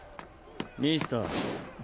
ミスター。